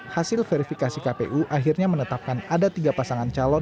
hasil verifikasi kpu akhirnya menetapkan ada tiga pasangan calon